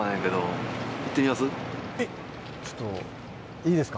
えっちょっといいですか？